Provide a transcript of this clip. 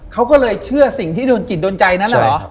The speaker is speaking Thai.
เขาก็เลยเชื่อสิ่งที่โดนจิตโดนใจนั้นเหรอ